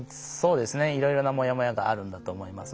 いろいろなもやもやがあるんだと思います。